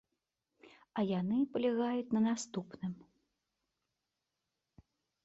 А яны палягаюць на наступным.